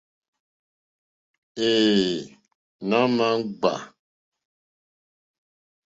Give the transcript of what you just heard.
Εε nà ma jgba.